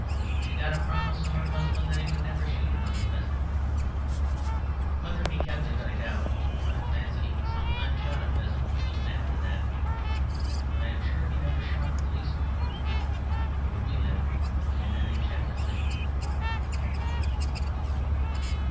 She got a promise from her husband that he would never shoot another pheasant. Whether he kept it I doubt; I fancy he sometimes shot a pheasant even after that. But I am sure he never shot a policeman. For we live in an enchanted land.